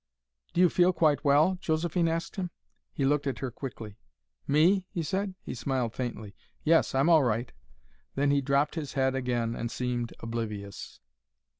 "Do you feel quite well?" Josephine asked him. He looked at her quickly. "Me?" he said. He smiled faintly. "Yes, I'm all right." Then he dropped his head again and seemed oblivious.